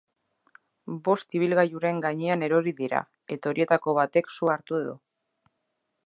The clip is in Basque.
Bost ibilgailuren gainean erori dira, eta horietako batek su hartu du.